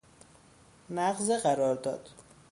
نقض قرار داد